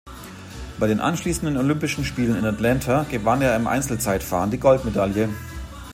Bei den anschließenden Olympischen Spielen in Atlanta gewann er im Einzelzeitfahren die Goldmedaille.